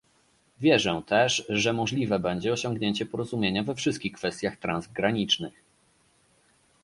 Wierzę też, że możliwe będzie osiągnięcie porozumienia we wszystkich kwestiach transgranicznych